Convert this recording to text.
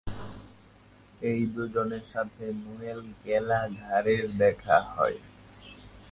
এই দুজনের সাথে নোয়েল গ্যালাঘারের দেখা হয়।